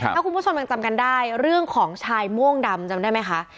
ถ้าคุณผู้ชมยังจำกันได้เรื่องของชายม่วงดำจำได้ไหมคะ